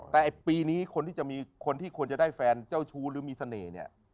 แต่ปีนี้คนที่ควรจะได้แฟนเจ้าชู้หรือมีเสน่ห์เนี่ย